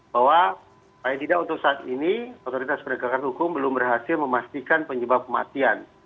bahwa paling tidak untuk saat ini otoritas penegakan hukum belum berhasil memastikan penyebab kematian